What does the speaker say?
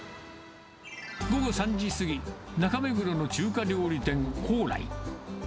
午後３時過ぎ、中目黒の中華料理店、宝来。